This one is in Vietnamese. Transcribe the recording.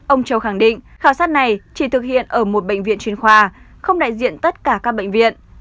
ông châu khẳng định khảo sát này chỉ thực hiện ở một bệnh viện chuyên khoa không đại diện tất cả các bệnh viện